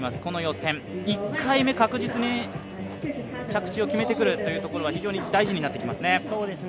この予選、１回目確実に着地を決めてくるということが非常に大事になってきますね。